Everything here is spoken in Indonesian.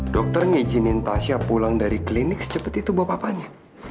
dokter ngijinin tasya pulang dari klinik secepet itu bapak bapanya